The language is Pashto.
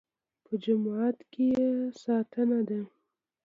په جماعت کې یې ستانه ده.